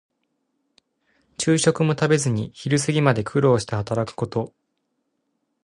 昼食も食べずに昼過ぎまで苦労して働くこと。